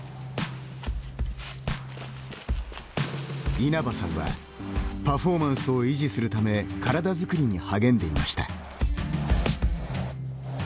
稲葉さんはパフォーマンスを維持するため体作りに励んでいました。